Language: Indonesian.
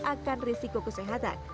akan risiko kesehatan